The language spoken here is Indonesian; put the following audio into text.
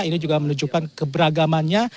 ini juga menunjukkan keberagamannya